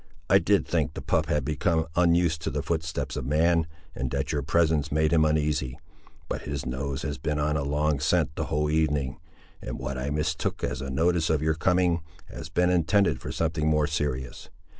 I did think, the pup had become unused to the footsteps of man, and that your presence made him uneasy; but his nose has been on a long scent the whole evening, and what I mistook as a notice of your coming, has been intended for something more serious.